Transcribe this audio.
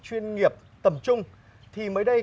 chuyên nghiệp tầm trung thì mới đây